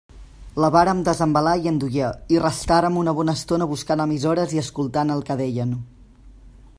La vàrem desembalar i endollar, i restàrem una bona estona buscant emissores i escoltant el que deien.